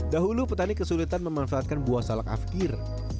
dahulu petani kesulitan memanfaatkan buah salak afkir